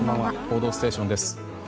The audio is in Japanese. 「報道ステーション」です。